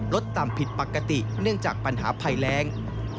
ลดต่ำผิดปกติเนื่องจากปัญหาภัยแรง